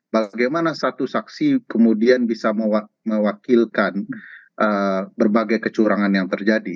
bagaimana satu saksi kemudian bisa mewakilkan berbagai kecurangan yang terjadi